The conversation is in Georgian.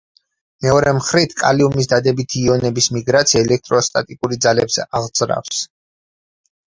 მეორე მხრით, კალიუმის დადებითი იონების მიგრაცია ელექტროსტატიკური ძალებს აღძრავს.